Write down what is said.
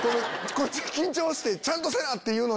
緊張してちゃんとせな！って。